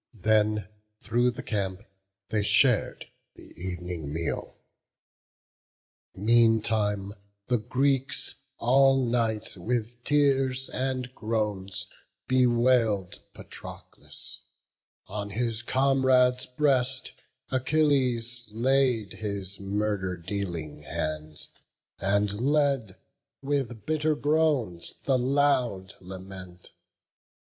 Then through the camp they shar'd the ev'ning meal. Meantime the Greeks all night with tears and groans Bewail'd Patroclus: on his comrade's breast Achilles laid his murder dealing hands, And led with bitter groans the loud lament.